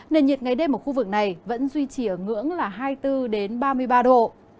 nền nhiệt ngày đêm ở khu vực này vẫn duy trì ở ngưỡng là hai mươi bốn ba mươi ba độ